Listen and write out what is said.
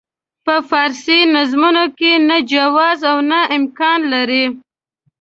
په فارسي نظمونو کې نه جواز او نه امکان لري.